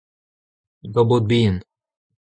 daou baotr bihan.